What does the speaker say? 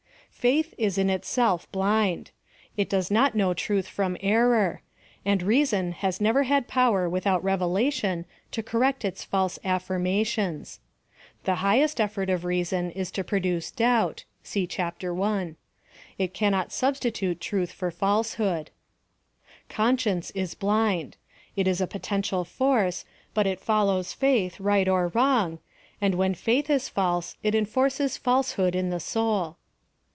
Faith is in itself blind. It does not know truth from error; and reason has never had power with out revelation to correct its false afiirmations. The \ 27y PHILOSOPHY OF THE highest effort of reason is to ;roducc doubt. (See Chap. 1.) It cannot substitute truth foi falsehood. Conscience is blind. It is a potentiaJ force, but it follows faith right or wrong, and when faith is false it enforces falsehood in the soul.